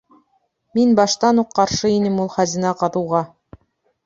Мин баштан уҡ ҡаршы инем ул хазина ҡаҙыуға.